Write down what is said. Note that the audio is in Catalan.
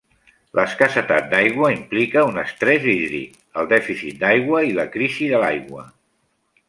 L'escassetat d'aigua implica un estrès hídric, el dèficit d'aigua i la crisi de l'aigua.